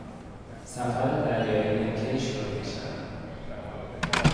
سفر دریایی کی شروع میشود؟